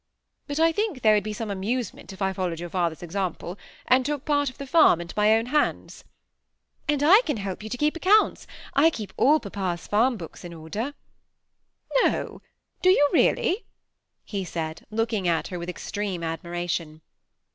But I think there would be some amusement if I followed your father's example and took part of the farm into my own hands." ^ And I can help yon to keep your accounts. I keep all papa's farm books in order." *^ No ; do you really ?" he said, looking at her with extreme admiration.